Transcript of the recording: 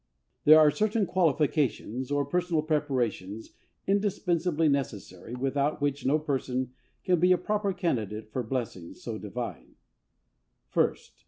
There are certain qualifications, or personal preparations indispensably necessary, without which, no person can be a proper candidate for blessings so divine. First.